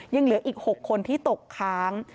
ยังเหลืออีก๖คนที่ตกค้าง